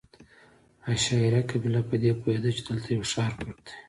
عشایري قبیله په دې پوهېده چې دلته یو ښار پټ دی.